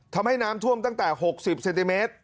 ทำให้น้ำท่วมตั้งแต่๖๐เซนติเมตร